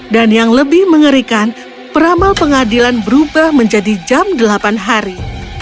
dan yang lebih mengerikan peramal pengadilan berubah menjadi jam delapan hari